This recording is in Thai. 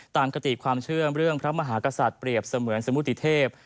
คติความเชื่อมเรื่องพระมหากษัตริย์เปรียบเสมือนสมุติเทพ